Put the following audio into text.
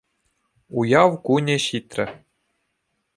Уяв кунӗ ҫитрӗ.